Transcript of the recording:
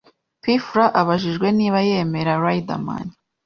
P Fla abajijwe niba yemera Riderman